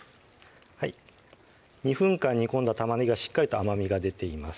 ２分間煮込んだ玉ねぎはしっかりと甘みが出ています